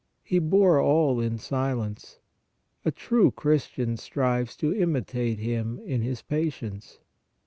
He bore all in silence. A true Christian strives to imi tate Him in His patience.